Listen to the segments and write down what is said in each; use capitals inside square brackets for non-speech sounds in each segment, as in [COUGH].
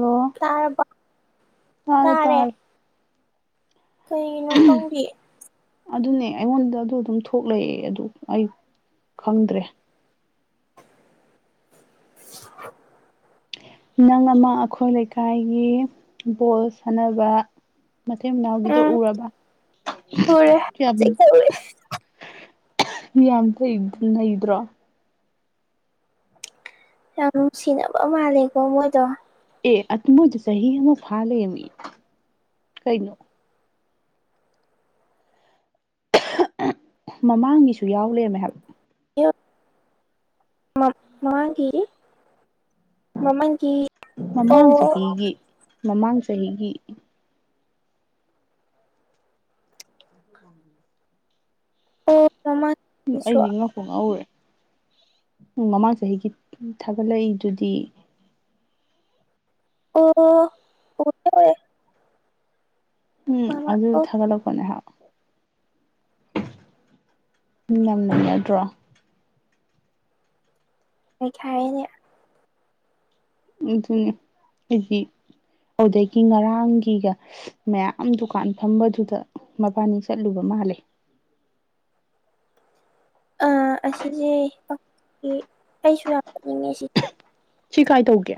ꯑꯣ ꯇꯥꯔꯕ ꯇꯥꯔꯦ ꯇꯥꯔ ꯀꯩꯒꯤꯅꯣ ꯈꯪꯒꯤ ꯑꯗꯨꯅꯦ ꯑꯩꯉꯣꯟꯗ ꯑꯗꯨ ꯑꯗꯨꯝ ꯊꯣꯛꯂꯛꯑꯦ ꯑꯗꯨ ꯑꯩ ꯈꯪꯗ꯭ꯔꯦ [INAUDIBLE] [INAUDIBLE] ꯅꯪ ꯑꯃ ꯑꯩꯈꯣꯏ ꯂꯩꯀꯥꯏꯒꯤ ꯕꯣꯜ ꯁꯥꯟꯅꯕ ꯃꯇꯩ ꯃꯅꯥꯎꯒꯤꯗꯣ ꯎꯝ ꯎꯔꯕ ꯎꯔꯦ ꯀꯩ ꯍꯥꯏꯕꯅꫭ ꯆꯤꯛꯇ ꯎꯔꯦ ꯌꯥꯝ ꯗꯩ ꯅꯩꯗ꯭ꯔꯣ ꯌꯥꯝ ꯅꯨꯡꯁꯤꯅꯕ ꯃꯥꯜꯂꯦꯀꯣ ꯃꯣꯏꯗꯣ ꯑꯦ ꯑꯠꯃꯨꯏꯗꫭ ꯆꯍꯤ ꯑꯃ ꯐꯥ ꯂꯩꯔꯃꯤ ꯀꯩꯅꯣ ꯃꯃꯥꯡꯒꯤꯁꯨ ꯌꯥꯎꯂꯦꯔꯃꯦꯍꯥꯏꯕ [UNINTELLIGIBLE] ꯃꯃꯥꯡꯒꯤ ꯃꯃꯥꯡꯒꯤ ꯃꯃꯥꯡ ꯑꯣ ꯆꯍꯤꯒꯤ ꯃꯃꯥꯡ ꯆꯍꯤꯒꯤ [INAUDIBLE] [UNINTELLIGIBLE] ꯑꯩꯗꯤ ꯉ ꯉꯛꯄꯨ ꯉꯛꯎꯔꯦ ꯃꯃꯥꯡ ꯆꯍꯤꯒꯤ ꯊꯥꯒꯠꯂꯛꯏꯗꯨꯗꯤ ꯑꯣ ꯑꯣ ꯎꯔꯦ ꯎꯔꯦ ꯎꯝ ꯃꯃꯥ ꯑꯗꯨ ꯑꯣ ꯊꯥꯒꯠꯂꯛꯄꯅꯦ ꯍꯥꯏꯕ ꯃꯤꯠ ꯌꯥꯝ ꯅꯥꯅꯗ‌ꯔꫭ ꯅꯩꯈꯥꯏꯔꯤꯅꯦ ꯑꯗꯨꯅꯤ ꯍꯥꯏꯗꯤ ꯑꯗꯨꯗꯒꯤ ꯉꯔꯥꯡꯒꯤꯒ ꯃꯌꯥꯝ ꯗꯨꯀꯥꯟ ꯐꯝꯕꯗꯨꯗ ꯃꯕꯥꯅꯤ ꯆꯠꯂꯨꯕ ꯃꯥꯜꯂꯦ ꯑ ꯑꯁꯤꯁꯦ ꯑꯩꯁꯨ ꯌꯥꯝ ꯆꯠꯅꯤꯡꯉꯦ ꯁꯤꯁꯦ ꯁꯤ ꯀꯥꯏ ꯇꯧꯒꯦ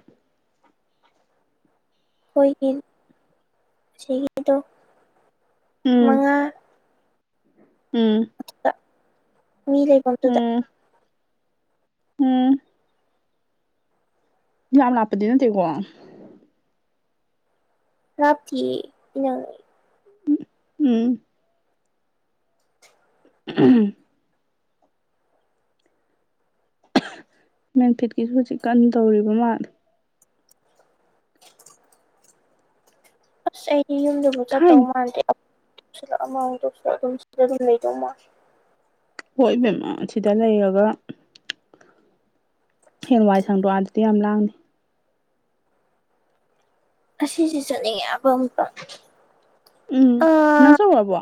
ꯑꯩꯈꯣꯏꯒꯤ ꯑꯁꯤꯒꯤꯗꯣ ꯎꯝ ꯃꯉꯥ ꯎꯝ ꯇꯃꯤꯂꯩꯕꯗꯨꯗ ꯎꯝ ꯎꯝ ꯌꯥꯝ ꯂꯥꯞꯄꯗꯤ ꯅꯠꯇꯦꯀꯣ ꯊꯥꯞꯇꯤꯌꯦ ꯏꯅꯛ ꯅꯛꯏ ꯎꯝ [UNINTELLIGIBLE] ꯃꯦꯟꯐꯤꯠꯀꯤꯁꯨ ꯍꯧꯖꯤꯛ ꯀꯟꯅ ꯇꯧꯔꯤꯕ ꯃꯥꯜꯂꯦ ꯑꯁ ꯑꯩ ꯌꯨꯝꯗꯨꯕꯨ ꯆꯠꯇꯧ ꯊꯥꯏꯅꯤ ꯃꯥꯟꯗꯦ ꯑꯃꯥꯃꯨꯛ ꯇꯧꯁꯜꯂꯛ‌ ꯑꯃꯥꯃꯨꯛ ꯇꯧꯁꯜꯂꯛ‌ ꯑꯗꯨꯝ ꯁꯤꯗ ꯑꯗꯨꯝ ꯂꯩꯗꯧ ꯃꯥꯜꯂꯦ ꯍꯣꯏ ꯏꯕꯦꯝꯃꯥ ꯁꯤꯗ ꯂꯩꯔꯒ ꯍꯦꯟ ꯋꯥꯥꯏ ꯁꯪꯗ꯭ꯔꫭ ꯑꯗꯗꯤ ꯌꯥꯝ ꯂꯥꯡꯉꯅꯤ ꯉꯁꯤꯁꯦ ꯆꯠꯅꯤꯡꯉꯦꯕ ꯑꯃꯨꯛꯀ ꯎꯝ ꯅꯪ ꯆꯧꯔꯕꯣ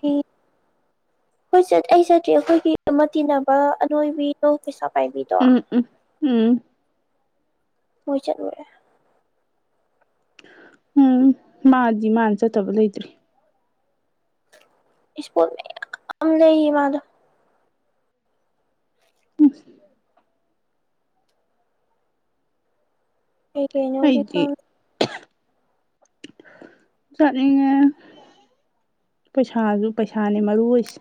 ꯍꯣꯏ ꯆꯠ ꯑꯩ ꯆꯠꯇ꯭ꯔꯤ ꯑꯩꯈꯣꯏꯒꯤ ꯑꯃ ꯇꯤꯟꯅꯕ ꯑꯅꯣꯏꯕꯤꯗꯣ ꯄꯩꯁꯥ ꯄꯥꯏꯕꯤꯗꯣ ꯎꯝ ꯎꯝ ꯎꯝ ꯃꫭꯏ ꯆꯠꯂꯨꯔꯦ ꯎꯝ ꯃꯥꯗꯤ ꯃꯥꯅ ꯆꯠꯇꯕ ꯂꯩꯇ꯭ꯔꯤ ꯏꯁ ꯄꫭꯠ‌ꯃꯌꯥꯝ ꯂꯩ ꯃꯥꯗꫭ ꯎꯁ ꯀꯩ ꯀꯩꯅꯣꯗꯤ ꯑꯩꯗꯤ ꯈꯪꯗꯦ ꯆꯠꯅꯤꯡꯉꯦ ꯄꯩꯁꯥꯁꯨ ꯄꯩꯁꯥꯅꯦ ꯃꯔꯨ ꯑꯣꯏꯁꯦ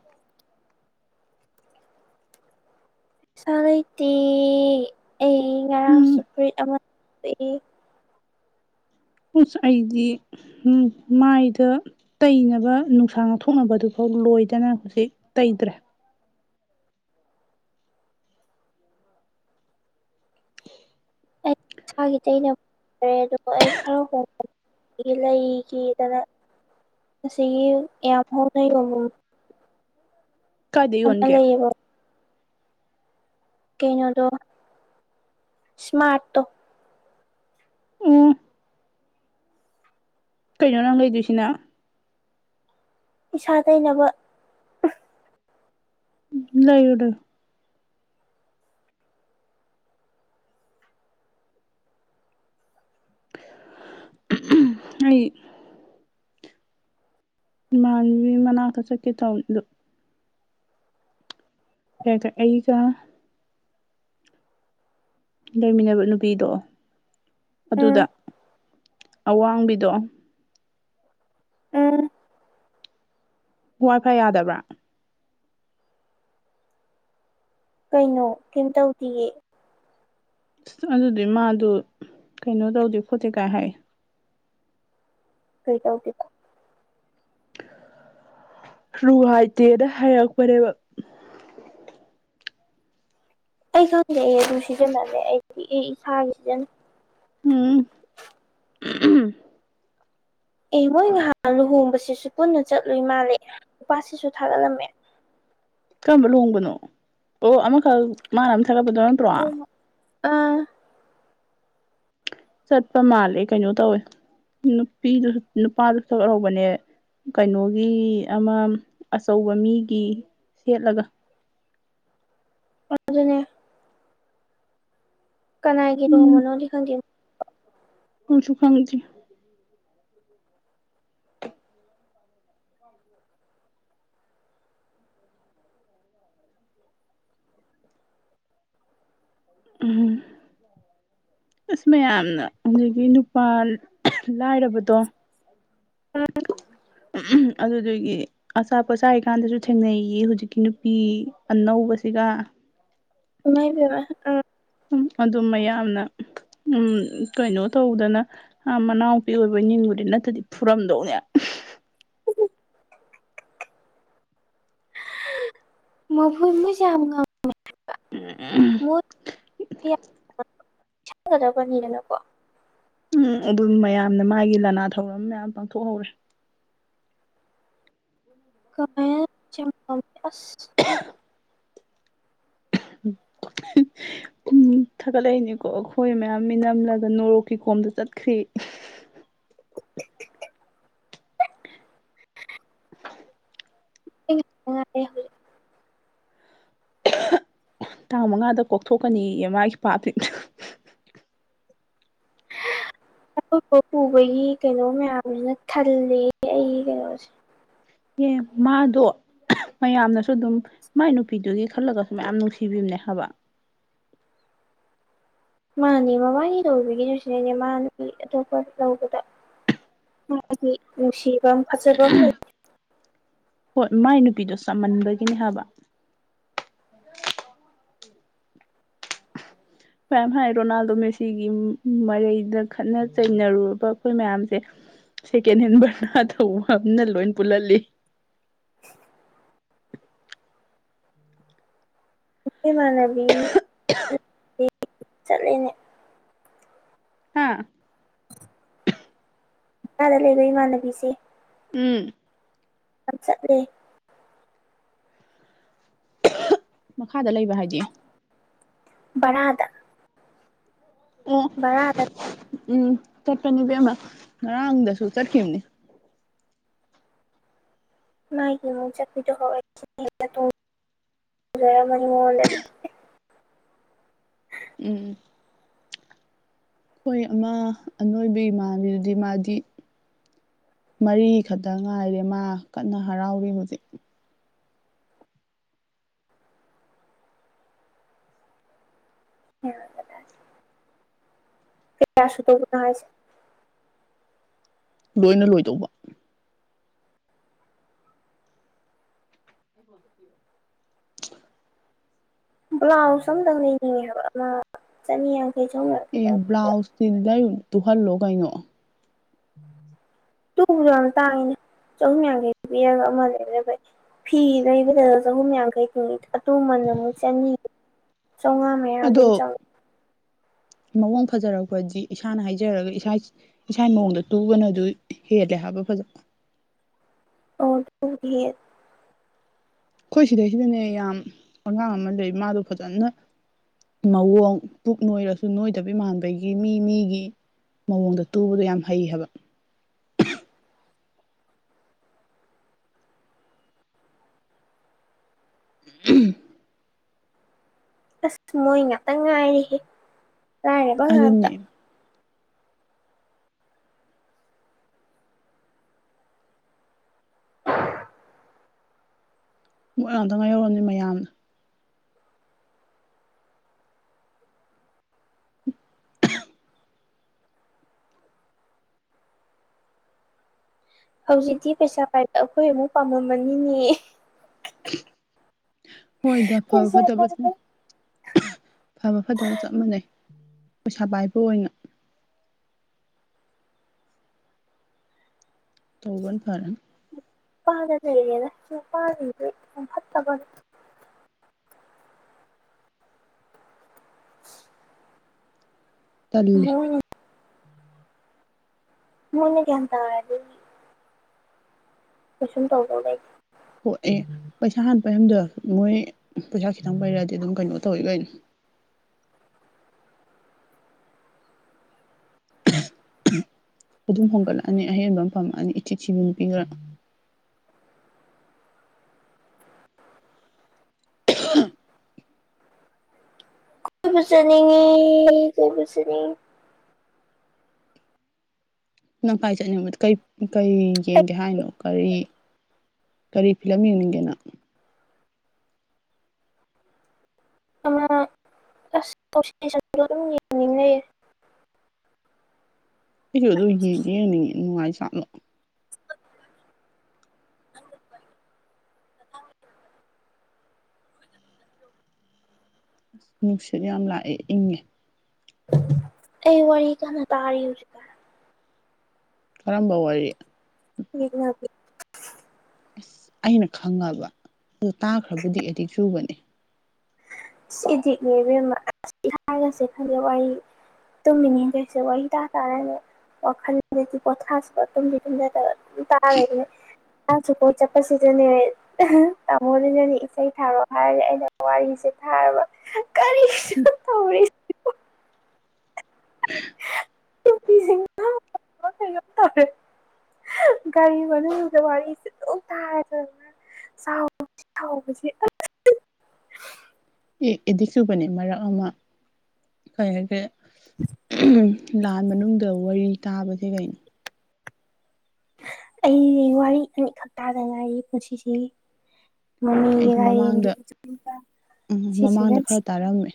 ꯄꯩꯁꯥ ꯂꯩꯇꯦ ꯑꯩ ꯎꯝ ꯉꯔꯥꯡꯎ ꯐꯨꯔꯤꯠ ꯑꯃ [UNINTELLIGIBLE] ꯎꯁ ꯑꯩꯗꯤ ꯃꯥꯏꯗ ꯇꯩꯅꯕ ꯅꯨꯡꯁꯥ ꯉꯥꯛꯊꯣꯛꯅꯕꯗꯨꯐꯥꯎ ꯂꯣꯏꯗꯅ ꯍꯧꯖꯤꯛ ꯇꯩꯗ꯭ꯔꯦ [UNINTELLIGIBLE] ꯑꯩ ꯏꯁꯥꯒꯤ ꯇꯩꯅꯕ [UNINTELLIGIBLE] ꯑꯩ ꯈꯔ ꯍꯣꯡꯕ ꯂꯩꯈꯤꯗꯅ ꯑꯁꯤꯒꯤ ꯌꯥꯝ ꯍꫭꯡꯅ ꯌꯣꯟꯕꯝ ꯀꯥꯏꯗ ꯌꯣꯟꯒꯦ ꯂꯩꯌꯦꯕ ꯀꯧꯅꫭꯗꫭ ꯏꯁꯃꯥꯔꯠ ꯇꫭ ꯎꯝ ꯀꯩꯅꯣ ꯅꯪ ꯂꯩꯗꯣꯏꯁꯤꯅ ꯏꯁꯥ ꯇꯩꯅꯕ ꯂꯩ ꯎꯔꯦ ꯑꯩ ꯏꯃꯥꯟꯕꯤ ꯃꯅꯥꯛꯇ ꯆꯠꯀꯦ ꯇꯧꯅꯤꯗꯣ ꯍꯒ ꯑꯩꯒ ꯂꯩꯃꯤꯟꯅꯕ ꯅꯨꯄꯤꯗꯣ ꯎꯝ ꯑꯗꯨꯗ ꯑꯋꯥꯡꯕꯤꯗꯣ ꯎꯝ ꯋꯥꯏ ꯐꯥꯏ ꯌꯥꯗꯕ꯭ꯔꯥ ꯀꯩꯅꯣ ꯀꯩꯝꯇꯧꯗꯤꯌꯦ ꯑꯁ ꯑꯗꯨꯗꯤ ꯃꯥꯗꯨ ꯀꯩꯅꯣ ꯇꯧꯗꯦ ꯈꯣꯠꯇꯦ ꯀꯥꯏ ꯍꯥꯏ ꯀꯩ ꯇꯧ ꯔꯨꯍꯥꯏꯇꯦꯅ ꯍꯥꯏꯔꯛꯄꯅꯦꯕ ꯑꯩꯁꯨꯪꯗꯛꯑ ꯑꯗꯨ ꯁꯤꯖꯟꯅꯝꯃꯦ ꯑꯩꯗꯤ ꯏꯁꯥꯒꯤ ꯁꯤꯖꯟꯅ ꯎꯝ ꯑꯦ ꯃꯣꯏ ꯉꯥꯏꯍꯥꯟ ꯂꯨꯍꯣꯡꯕꯁꯤꯁꯨ ꯄꯨꯟꯅ ꯆꯠꯂꯨꯏ ꯃꯥꯜꯂꯦ ꯅꯨꯄꯥꯁꯤꯁꯨ ꯊꯥꯒꯠꯂꯝꯃꯦ ꯀꯔꯝꯕ ꯂꯣꯡꯕꯅꯣ ꯑꯣ ꯑꯃꯈꯛ ꯃꯥꯅ ꯑꯃ ꯊꯥꯒꯛꯄꯗꯣ ꯑꯣ ꯑꯥ ꯆꯠꯄ ꯃꯥꯜꯂꯦ ꯀꯩꯅꯣ ꯇꯧꯋꯦ ꯅꯨꯄꯤꯗꯨꯁꯨ ꯅꯨꯄꯥꯗꯨꯁꯨ ꯁꯛꯍꯧꯕꯅꯦ ꯀꯩꯅꯣꯒꯤ ꯑꯃ ꯑꯆꯧꯕ ꯃꯤꯒꯤ ꯁꯦꯠꯂꯒ ꯑꯗꯨ ꯑꯗꯨꯅꯦ ꯀꯅꯥꯒꯤꯔꯣꯕꯅꯣꯗꯤ ꯈꯪꯗꯦꯅꯣ ꯍꯁꯨ ꯈꯥꯡꯉꯁꯤ ꯍ [INAUDIBLE] ꯎ ꯎꯝ ꯑꯁ ꯃꯌꯥꯝꯅ ꯑꯗꯒꯤ ꯅꯨꯄꯥ ꯂꯥꯏꯔꯕꯗꯣ ꯑꯗꯨꯗꯒꯤ ꯑꯆꯥꯄꯣꯠꯆꯥꯥꯔꯤ ꯀꯥꯟꯗꯁꯨ ꯊꯦꯡꯅꯩꯌꯦ ꯍꯧꯖꯤꯛꯀꯤ ꯅꯨꯄꯤ ꯑꯅꯧꯕꯁꯤꯒ ꯃꯥꯏꯗꯕ ꯎ ꯎ ꯑꯗꯨꯝ ꯃꯌꯥꯝꯅ ꯎ ꯀꯩꯅꯣ ꯇꯧꯗꯅ ꯃꯅꯥꯎꯄꯤ ꯑꯣꯏꯕ ꯟꯕꯨꯗꯤ ꯅꯠꯇꯗꯤ ꯐꯨꯔꯝꯗꯧꯅꯦ ꯃꯍꯨꯠ ꯃꯖꯝ ꯑꯃ ꯎ ꯃꯣꯏꯒꯗꯕꯅꯤꯗꯅꯀꯣ ꯎꯝ ꯑꯗꯨꯝ ꯃꯌꯥꯝꯅ ꯃꯥꯒꯤ ꯂꯅꯥ ꯊꯧꯔꯝ ꯃꯌꯥꯝ ꯄꯥꯡꯊꯣꯛꯍꯧꯔꯦ ꯀꯟ ꯆꯁ [INAUDIBLE] ꯊꯥꯒꯠꯂꯛꯏꯅꯦꯅꯤꯀꯣ ꯑꯩꯈꯣꯏ ꯃꯌꯥꯝ ꯃꯤ ꯅꯝꯂꯒ ꯅꯣꯔꯣꯛꯀꯤ ꯀꯣꯝꯗ ꯆꯠꯈ꯭ꯔꯔꯤ [INAUDIBLE] ꯉꯔꯦ ꯇꯥꯡ ꯃꯉꯥꯗ ꯀꯣꯛꯊꯣꯛꯀꯅꯤ ꯃꯥꯒꯤ ꯄꯥ ꯕ ꯄꯨꯕꯒꯤ ꯀꯩꯅꯣ ꯃꯌꯥꯝꯁꯤꯅ ꯈꯜꯂ ꯑꯩꯒꯤ ꯀꯩꯅꯣꯁꯦ ꯑꯦ ꯃꯥꯗꯣ ꯃꯌꯥꯝꯅꯁꯨ ꯑꯗꯨꯝ ꯃꯥꯏ ꯅꯨꯄꯤꯗꯨꯒꯤ ꯈꯜꯂꯒꯁꯨ ꯃꯌꯥꯝ ꯅꯨꯡꯁꯤꯕꯤꯕꯅꯦ ꯍꯥꯏꯕ ꯃꯥꯅꯦ ꯃꯕꯥꯒꯤ ꯂꯧꯕꯤꯒꯤꯗꯨ ꯁꯤꯅꯦꯅꯦ ꯃꯥ ꯅꯨꯄꯤ ꯑꯇꯣꯞꯄ ꯂꯧꯕꯗ ꯗꯤ ꯅꯨꯡꯁꯤꯕꯝ ꯐꯖꯕꯝ ꯂꯩ ꯍꯣꯏ ꯃꯥꯏ ꯅꯨꯄꯤꯗꯣ ꯆꯃꯟꯕꯒꯤꯅꯦ ꯍꯥꯏꯕ ꯃꯌꯥꯝ ꯍꯥꯏ ꯔꯣꯅꯥꯜꯗꯣ ꯃꯦꯁꯤꯒꯤ ꯃꯔꯩꯗ ꯈꯠꯅ ꯆꯩꯅꯔꯨꯔꯕ ꯑꯩꯈꯣꯏ ꯃꯌꯥꯝꯁꯦ ꯁꯦꯀꯦꯟ ꯍꯦꯟ ꯕꯔꯅꯥ ꯊꯧꯕ ꯑꯃꯅ ꯂꯣꯏ ꯄꯨꯜꯍꯜꯂꯤ ꯏꯃꯥꯟꯅꯕꯤ ꯆꯠꯂꯤꯅꯦ ꯍꯥꯥ ꯑꯥꯗ ꯂꯩꯕꯣꯏ ꯏꯃꯥꯟꯅꯕꯤꯁꯤ ꯎꯝ ꯑ ꯆꯠꯦ ꯃꯈꯥꯗ ꯂꯩꯕ ꯍꯥꯏꯗꯤ ꯔꯗ ꯑꯣ ꯕꯔꯥꯗ ꯎꯝ ꯆꯠꯄꯅꯦꯕꯦꯝꯃ ꯉꯔꯥꯡꯗꯁꯨ ꯆꯠꯈꯤꯕꯅꯦ ꯃ ꯆꯠꯄꯤꯗ ꯍꯋꯥ ꯏꯅꯤ ꯑꯣꯔꯦꯗꯤ ꯎꯝ ꯑꯩꯈꯣꯏ ꯑꯃ ꯑꯅꯣꯏꯕ ꯏꯃꯥꯟꯕꯤꯗꯨꯗꯤ ꯃꯥꯗꯤ ꯃꯔꯤꯈꯛꯇ ꯉꯥꯏꯔꯦ ꯃꯥ ꯀꯟꯅ ꯍꯔꯥꯎꯔꯤ ꯍꯧꯖꯤꯛ ꯀ ꯑꯁꯣꯗ ꯃꯅ ꯍꯥꯏꯁ ꯂꯣꯏꯅ ꯂꯣꯏꯗꯧꯕ ꯃꯁꯤ ꯕ꯭ꯂꯥꯎꯁ ꯑꯇꯪ ꯂꯩꯅꯤꯡꯉꯦꯕ ꯑꯃ ꯆꯅꯤ ꯆꯍꯨꯝ ꯑꯦ ꯌꯥꯡꯈꯩꯗꯪ ꯄꯤꯕ ꯕ꯭ꯂꯥꯎꯁꯇꯤ ꯂꯥꯏ ꯇꯨꯍꯜꯂꯣ ꯀꯩꯅꯣ ꯇꯨꯕꯗ ꯌꯥꯝ ꯇꯥꯡꯏꯤꯅꯦ ꯆꯍꯨꯝ ꯌꯥꯡꯈꯩ ꯄꯤꯔꯒ ꯑꯃ ꯂꯩ ꯐꯤ ꯂꯩꯕꯗ ꯆꯍꯨꯝ ꯌꯥꯡꯈꯩ ꯀꯨ ꯑꯇꯣꯕꯅ ꯑꯃꯨꯛ ꯆꯅꯤ ꯆꯥꯝꯃꯉꯥ ꯃꯌꯥ ꯑꯗꯣ ꯑꯗꯨꯝ ꯆꯪꯉ ꯃꯑꯣꯡ ꯐꯖꯔꯛꯄꯗꯤ ꯏꯁꯥꯅ ꯍꯥꯏꯖꯔꯒ ꯏꯁꯥ ꯏꯁꯥ ꯃꯑꯣꯡꯗ ꯇꯨꯒꯅ ꯑꯗꯨ ꯍꯦꯜꯂꯦ ꯍꯥꯏꯕ ꯐꯖꯕ ꯑꯣ ꯑꯩꯈꯣꯏ ꯁꯤꯗꯩꯁꯤꯗꯅꯦ ꯌꯥꯝ ꯑꯉꯥꯡ ꯑꯃ ꯂꯩ ꯃꯥꯗꯣ ꯐꯖꯅ ꯃꯑꯣꯡ ꯄꯨꯛ ꯅꯣꯏꯔꯁꯨ ꯅꯣꯏꯗꯕꯤ ꯃꯥꯟꯕꯒꯤ ꯃꯤ ꯃꯤꯒꯤ ꯃꯑꯣꯡꯗ ꯇꯨꯕꯗꯣ ꯌꯥꯝ ꯍꯩ ꯍꯥꯏꯕ ꯎ ꯑꯁ ꯃꯣꯏ ꯉꯥꯛꯇ ꯉꯥꯏꯔꯤꯍꯦ ꯉꯥꯏꯔꯕ ꯉꯥꯛꯇ ꯑꯗꯨꯅꯤ ꯃꯣꯏꯉꯥꯛꯇ ꯉꯥꯏ ꯍꯧꯔꯕꯅꯤꯝ ꯃꯌꯥꯝꯅ ꯍꯧꯖꯤꯛꯇꯤ ꯄꯩꯁꯥ ꯄꯥꯏꯕ ꯑꯩꯈꯣꯏ ꯑꯃꯨꯛ ꯄꯥꯝꯃꯝꯃꯅꯤꯅꯦ ꯍꯣꯏꯗꯦ ꯐ ꯄꯩꯁꯥ ꯄꯥꯏꯕ ꯐꯠꯇꯕꯁꯅꯤ ꯐꯕ ꯐꯠꯇꯕ ꯆꯞ ꯃꯥꯟꯅꯩ ꯄꯩꯁꯥ ꯄꯥꯏꯕ ꯑꯣꯏꯅ ꯇꯧꯕꯒꯣꯟ ꯐꯥꯔꯦ ꯄ ꯃꯒꯅ ꯆꯨꯄꯥꯟꯗ꯭ꯔꯦ ꯐ ꯇꯒꯅꯤ ꯇꯜꯂꯦ ꯃꯣꯏꯅ ꯃꯅꯤꯒꯦꯟ ꯍꯥꯏꯗꯤ ꯀꯁꯨꯝ ꯇꯧ ꯂꯩ ꯍ ꯑꯦ ꯄꯩꯁꯥ ꯍꯄꯩꯗ ꯃꯣꯏ ꯄꯩꯁꯥ ꯈꯤꯇꯪ ꯄꯩꯔꯛꯑꯗꯤ ꯑꯗꯨꯝ ꯀꯩꯅꯣ ꯇꯧꯏ ꯀꯅꯤ ꯑꯗꯨꯝ ꯍꯣꯡꯒꯠꯂꯛꯑꯅꯤ ꯑꯍꯦꯟꯕ ꯑꯃ ꯐꯝꯑꯅꯤ ꯏꯆꯤ ꯊꯕꯤ ꯅꯨꯄꯤ ꯈꯔ [UNINTELLIGIBLE] ꯀ ꯄꯨꯕꯨꯖꯅꯤꯡꯉ ꯀꯣꯏ ꯄꯨꯁꯤꯅꯤꯡ ꯅꯪ ꯄꯥꯏ ꯆꯠꯅꯤꯡꯕꯗ ꯀꯩ ꯀꯔꯤ ꯑꯩ ꯌꯦꯡꯒꯦ ꯍꯥꯏꯅꯣ ꯀꯔꯤ ꯀꯔꯤ ꯐꯤꯂꯝ ꯌꯦꯡꯅꯤꯡꯒꯦꯅꯣ ꯀ꯭ꯂ ꯁꯤꯁꯝ ꯅꯤꯡꯉ ꯑꯗꯨꯁꯨ ꯑꯗꯨꯝ ꯌꯦꯡ ꯌꯦ ꯅꯨꯡꯉꯥꯏ ꯁꯅ ꯑꯁ ꯅꯨꯡꯁꯤꯠ ꯌꯥꯝ ꯂꯥꯛꯑꯦ ꯏꯪꯉꯦ ꯑꯩ ꯋꯥꯔꯤ ꯀꯅ ꯇꯥꯔꯤꯁꯦ ꯀꯔꯝꯕ ꯋꯥꯔꯤ ꯍ ꯑꯁ ꯑꯩꯅ ꯈꯪꯉꯕ ꯑ ꯇꯥꯈ꯭ꯔꯕꯨꯗꯤ ꯑꯦꯗꯤꯛ ꯆꯨꯕꯅꯤ ꯁꯤꯗꯤꯅꯦꯕ ꯍꯥꯏꯔꯒꯁꯦ ꯈꯪꯉꯦ ꯋꯥꯔꯤ ꯇꯨꯝꯃꯤ ꯅꯤꯡꯖꯁꯦ ꯋꯥ ꯍꯤ ꯇ ꯇꯥꯔꯅꯤ ꯋꯥꯈꯜꯗꯗꯤ ꯄꯣꯊꯁꯤꯀꯣ ꯇꯨꯝꯗꯤ ꯇꯨꯝꯖꯗꯕ ꯇꯥꯅꯦ ꯆꯁꯨꯨꯄꯣꯠ ꯆꯠꯄꯁꯤꯗꯅꯦ ꯇꯥꯃꯣꯗꯅꯅꯦ ꯏꯁꯩ ꯊꯥꯔꯣ ꯍꯥꯏꯔꯒ ꯑꯩꯅ ꯋꯥꯔꯤꯁꯦ ꯍ ꯀꯔꯤ [INAUDIBLE] ꯅꯨꯄꯤꯁꯤꯡꯁꯤꯕꯣ [UNINTELLIGIBLE] ꯇꯧꯔꯦ ꯒꯥꯔꯤ ꯃꯅꯨꯡ ꯋꯥꯔꯤꯔꯤ ꯁꯤꯗ ꯇꯥꯔ ꯆꯥꯎꯥꯎ ꯁꯥꯎꯁꯦ ꯑꯦꯗꯤꯛ ꯆꯨꯕꯅꯤ ꯃꯔꯛ ꯑꯃ ꯀꯩ ꯍꯥꯏꯒꯦ ꯂꯥꯟ ꯃꯅꯨꯡꯗ ꯋꯥꯔꯤ ꯇꯥꯕꯁꯦ ꯀꯩꯅꯣ ꯑꯩ ꯋꯥꯔꯤ ꯑꯅꯤꯈꯛ ꯇꯥꯗꯉꯥꯏꯌꯦ ꯄꯨꯟꯁꯤꯁꯤ ꯑꯩꯗꯤ ꯃꯃꯤꯒ ꯌꯦ ꯃꯃꯥꯡꯗ ꯎꯝ ꯁꯤꯁꯤꯒ ꯃꯃꯥꯡꯗ ꯈꯔ ꯇꯥꯔꯝꯃꯦ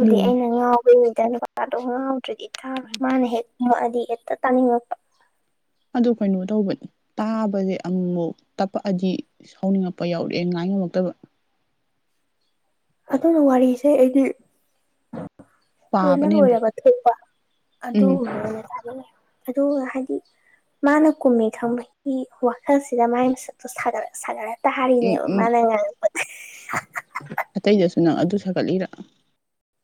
ꯑꯗꯨ ꯑꯩꯅ ꯉꯥꯎꯕꯗ ꯅꯨꯄꯥꯗꯣ ꯉꯥꯎꯗ꯭ꯔꯗꯤ ꯊꯥꯔꯣꯏ ꯃꯥꯅ ꯍꯦꯛ ꯗꯤ ꯑꯦꯠꯇ ꯇꯅꯤꯡꯉꯛꯄ ꯑꯗꯨ ꯀꯩꯅꯣ ꯇꯧꯕꯅꯤ ꯇꯥꯕꯁꯦ ꯑꯃꯨꯛꯐꯨꯛ ꯇꯞꯄꯛꯑꯗꯤ ꯁꯥꯎꯅꯤꯡꯉꯛꯄ ꯌꯥꯎꯔꯛꯑꯦ ꯉꯥꯏ ꯉꯝꯃꯛꯇꯕ ꯑꯗꯨꯅ ꯋꯥꯔꯤꯁꯦ ꯑꯩꯗꯤ ꯂꯣꯏꯅ ꯄꯥꯕꯅ ꯍꯦꯟ ꯐꯩ ꯂꯣꯏꯔꯒ ꯊꯣꯛꯄ ꯑꯗꯨ ꯎꯝ ꯑꯗꯨꯒ ꯍꯥꯏꯗꯤ ꯃꯥꯅ ꯀꯨꯝꯃꯤ ꯈꯪꯕꯒꯤ ꯋꯥꯈꯜꯁꯤꯗ ꯃꯥꯏ ꯃꯁꯛꯇꯨꯔ ꯁꯥꯟꯅꯔꯦ ꯇ ꯍꯔꯤꯅꯦ ꯎꯝ ꯃꯥ ꯎꯝ ꯂꯩꯉꯥꯡ ꯑꯇꯩꯗꯁꯨ ꯅꯪ ꯑꯗꯨ ꯁꯥꯒꯠꯂꯤꯔ